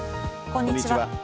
こんにちは。